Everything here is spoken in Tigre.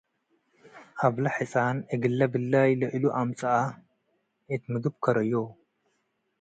አብለ ሕጻን እግለ ብላይ ለእሉ አምጽአ እት ምግብ ከርዮ ።